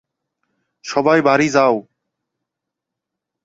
সবাই বাড়ি যাও!